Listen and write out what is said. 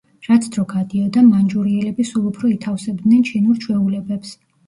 რაც დრო გადიოდა, მანჯურიელები სულ უფრო ითავსებდნენ ჩინურ ჩვეულებებს.